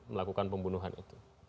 melakukan pembunuhan itu